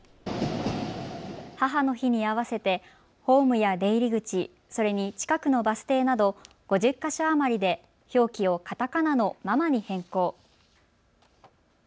母の日に合わせてホームや出入り口、それに近くのバス停など５０か所余りで表記をカタカナのママに変更。